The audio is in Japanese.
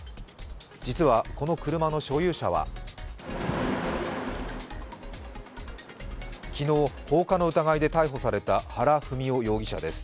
実はこの車の所有者は昨日、放火の疑いで逮捕された原文雄容疑者です。